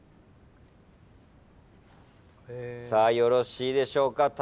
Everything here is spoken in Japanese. さあよろしいでしょうか。